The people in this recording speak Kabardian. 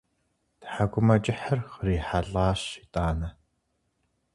Тхьэкӏумэкӏыхьыр кърихьэлӏащ итӏанэ.